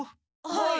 はい。